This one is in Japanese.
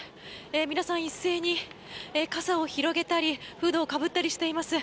皆さん一斉に傘を広げたりフードをかぶったりしています。